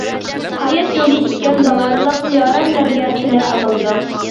ھايات يولى ئىكەن داۋانلىق، يارەنلەرگە تىلە ئامانلىق.